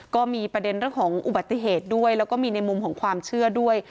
ก็มีประเด็นเรื่องของอุบัติเหตุด้วยแล้วก็มีในมุมของความเชื่อด้วย